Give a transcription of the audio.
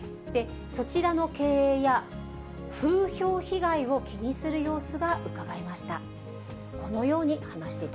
そちらの経営や、風評被害を気にする様子がうかがえました。